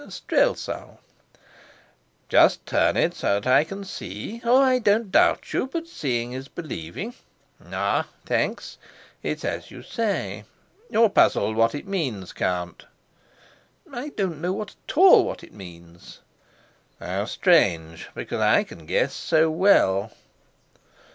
"Strelsau." "Just turn it so that I can see. Oh, I don't doubt you, but seeing is believing. Ah, thanks. It's as you say. You're puzzled what it means, Count?" "I don't know at all what it means!" "How strange! Because I can guess so well."